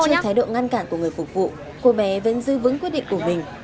trên thái độ ngăn cản của người phục vụ cô bé vẫn giữ vững quyết định của mình